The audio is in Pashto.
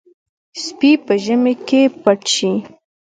سپي په ژمي کې پټ شي.